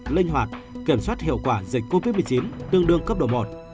linh hoạt kiểm soát hiệu quả dịch covid một mươi chín tương đương cấp độ một